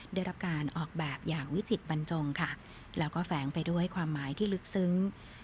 ได้รับการออกแบบอย่างวิจิตบรรจงค่ะแล้วก็แฝงไปด้วยความหมายที่ลึกซึ้ง